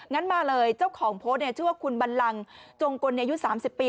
งั้นมาเลยเจ้าของโพสต์ชื่อว่าคุณบันลังจงกลอายุ๓๐ปี